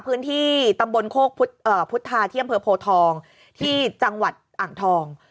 พื้นที่ตำบลโคกพุทธาที่อำเภอโพทองที่จังหวัดอ่างทอง